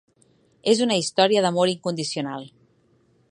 És una història d'amor incondicional.